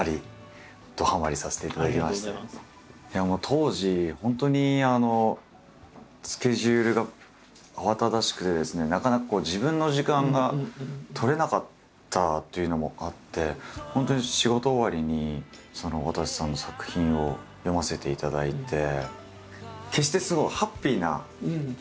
当時本当にスケジュールが慌ただしくてですねなかなか自分の時間が取れなかったというのもあって本当に仕事終わりにわたせさんの作品を読ませていただいて。